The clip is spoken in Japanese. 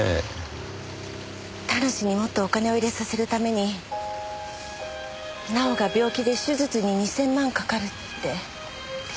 田無にもっとお金を入れさせるために奈緒が病気で手術に２０００万かかるって。